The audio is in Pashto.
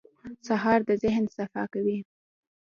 سهار د ذهن صفا کوي.